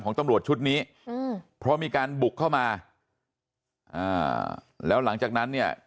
ตำรวจชุดนี้อืมเพราะมีการบุกเข้ามาอ่าแล้วหลังจากนั้นเนี่ย